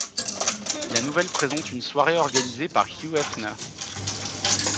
La nouvelle présente une soirée organisée par Hugh Hefner.